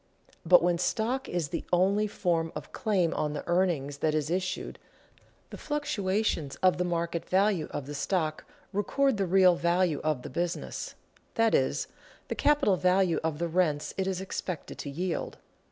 But when stock is the only form of claim on the earnings that is issued, the fluctuations of the market value of the stock record the real value of the business, that is, the capital value of the rents it is expected to yield.